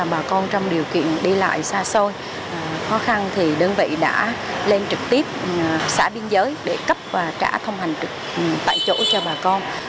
bà con trong điều kiện đi lại xa xôi khó khăn thì đơn vị đã lên trực tiếp xã biên giới để cấp và trả thông hành tại chỗ cho bà con